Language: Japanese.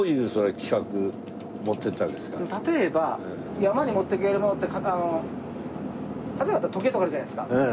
例えば例えば山に持っていけるものって例えば時計とかあるじゃないですか。